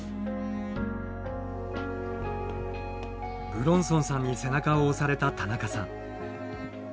武論尊さんに背中を押された田中さん。